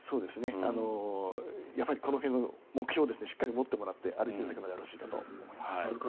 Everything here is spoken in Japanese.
やっぱりこの辺の目標をしっかり持って歩いていただくのが大事かと思います。